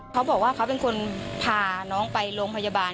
เขาบอกว่าเขาเป็นคนพาน้องไปโรงพยาบาล